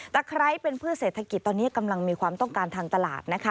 ไคร้เป็นพืชเศรษฐกิจตอนนี้กำลังมีความต้องการทางตลาดนะคะ